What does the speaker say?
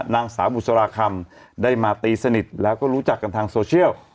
นางสาวบุษราคำได้มาตีสนิทแล้วก็รู้จักกันทางโซเชียล